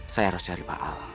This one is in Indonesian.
saya harus cari pak al